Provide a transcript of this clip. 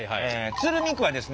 鶴見区はですね